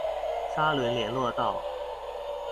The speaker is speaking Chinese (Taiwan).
沙崙連絡道